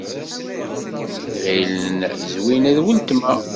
Ɣilen Zwina d weltma.